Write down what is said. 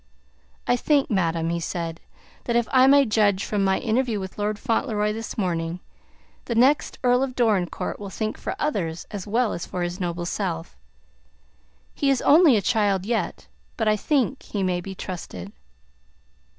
"I think, madam," he said, "that if I may judge from my interview with Lord Fauntleroy this morning, the next Earl of Dorincourt will think for others as well as for his noble self. He is only a child yet, but I think he may be trusted."